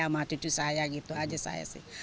sama cucu saya gitu aja saya sih